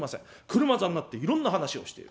車座になっていろんな話をしている。